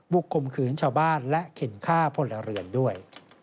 ข่มขืนชาวบ้านและเข็นฆ่าพลเรือนด้วย